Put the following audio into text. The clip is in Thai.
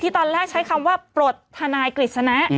ที่ตอนแรกใช้คำว่าปฏิบัติธนายกฤษณะ